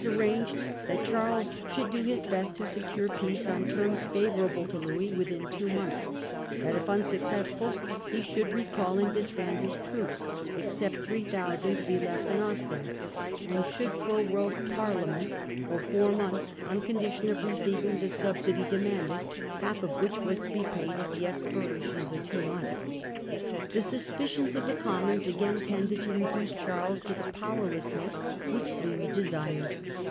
arranged that Charles should do his best to secure peace on terms favourable to Louis within two months ; that, if unsuccessful, he should recall and disband his troops, except 3,000 to be left in Ostend, and should prorogue Parliament for four months, on condition of receiving the subsidy demanded, half of which was to be paid at the expiration of the two months. The suspicions of the Commons again tended to reduce Charles to the powerlessness which Louis desired.